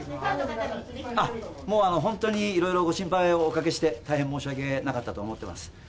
もう本当に、いろいろご心配をおかけして、大変申し訳なかったと思ってます。